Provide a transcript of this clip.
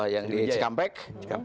yang di cikampek